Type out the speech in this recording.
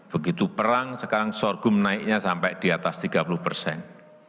begitu perang sekarang sorghum naiknya sampai di atas tiga puluh persen